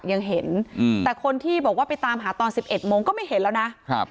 ยังเห็นอืมแต่คนที่บอกว่าไปตามหาตอน๑๑โมงก็ไม่เห็นแล้วนะครับ